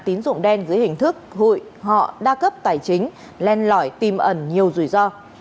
tín dụng đen dưới hình thức hụi họ đa cấp tài chính len lõi tìm ẩn nhiều rủi ro